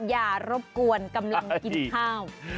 รบกวนกำลังกินข้าว